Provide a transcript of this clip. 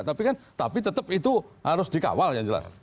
tapi kan tapi tetap itu harus dikawal yang jelas